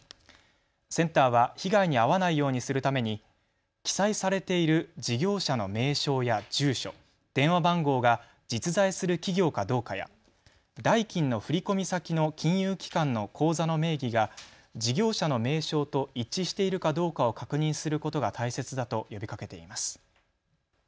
センターは被害に遭わないようにするために、記載されている事業者の名称や住所、電話番号が実在する企業かどうかや代金の振込先の金融機関の口座の名義が事業者の名称と一致しているかどうかを確認することが大切だと呼びかけています。